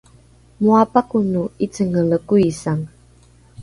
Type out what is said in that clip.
moa pakono ’icengele koisange